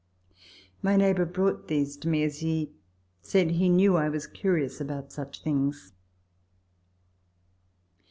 My neighbour brought these to me, as he said he knew I was curious about such things.